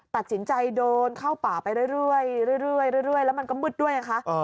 ตัดสินใจโดนเข้าป่าไปเรื่อยแล้วมันก็มืดด้วยไงคะ